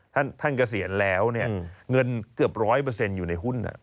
ท่านเกษียณแล้วเนี่ยเงินเกือบร้อยเปอร์เซ็นต์อยู่ในหุ้น